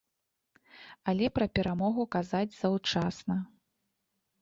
Але пра перамогу казаць заўчасна.